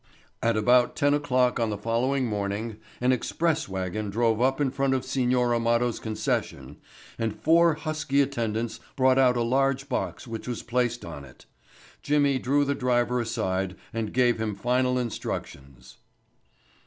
At about ten o'clock on the following morning an express wagon drove up in front of Signor Amado's concession and four husky attendants brought out a large box which was placed on it. Jimmy drew the driver aside and gave him final instructions.